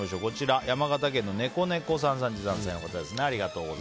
山形県の３３歳の方です。